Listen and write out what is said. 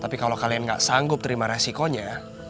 tapi kalau kalian nggak sanggup terima resikonya